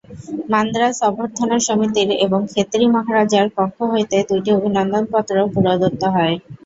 মান্দ্রাজ অভ্যর্থনা-সমিতির এবং খেতড়ি-মহারাজার পক্ষ হইতে দুইটি অভিনন্দন-পত্র প্রদত্ত হয়।